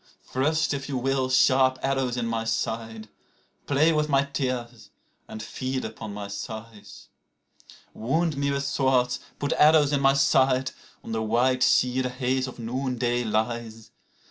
Thrust, if you will, sharp arrows in my side, Play with my tears and feed upon my sighs. Wound me with swords, put arrows in my side. (On the white sea the haze of noon day lies.)